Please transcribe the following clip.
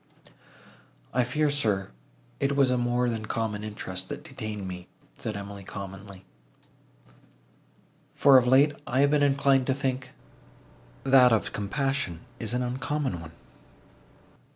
"I fear, sir, it was a more than common interest, that detained me," said Emily calmly; "for of late I have been inclined to think, that of compassion is an uncommon one.